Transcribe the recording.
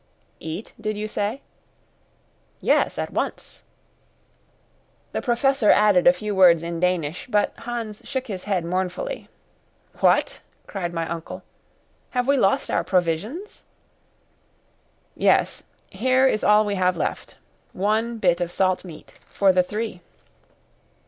"Eat, did you say?" "Yes, at once." The Professor added a few words in Danish, but Hans shook his head mournfully. "What!" cried my uncle. "Have we lost our provisions?" "Yes; here is all we have left; one bit of salt meat for the three."